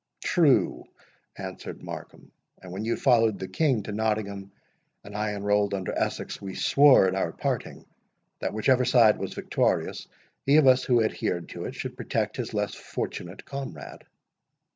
"True," answered Markham: "and when you followed the King to Nottingham, and I enrolled under Essex, we swore, at our parting, that whichever side was victorious, he of us who adhered to it, should protect his less fortunate comrade."